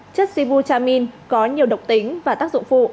chất sibutamin có nhiều độc tính và tác dụng phụ